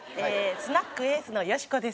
スナックＡのよしこです。